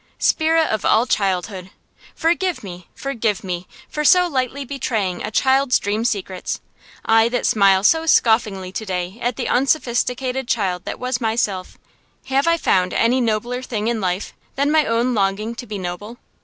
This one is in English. Spirit of all childhood! Forgive me, forgive me, for so lightly betraying a child's dream secrets. I that smile so scoffingly to day at the unsophisticated child that was myself, have I found any nobler thing in life than my own longing to be noble?